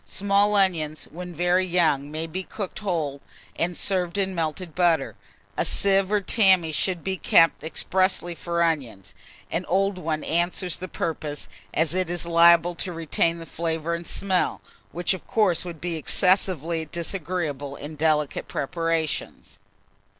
Small onions, when very young, may be cooked whole, and served in melted butter. A sieve or tammy should be kept expressly for onions: an old one answers the purpose, as it is liable to retain the flavour and smell, which of course would be excessively disagreeable in delicate preparations.